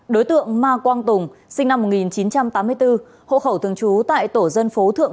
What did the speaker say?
đối tượng ma quang tùng sinh năm một nghìn chín trăm tám mươi bốn hộ khẩu thường trú tại tổ dân phố thượng